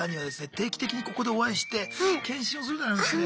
定期的にここでお会いして検診をするんでありますね。